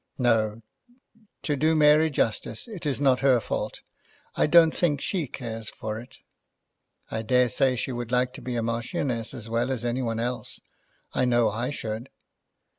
"No. To do Mary justice, it is not her fault. I don't think she cares for it." "I dare say she would like to be a Marchioness as well as any one else. I know I should."